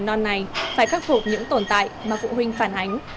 cơ sở mầm non này phải khắc phục những tồn tại mà phụ huynh phản ánh